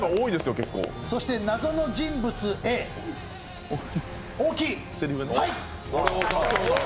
そして謎の人物Ａ大木、はい！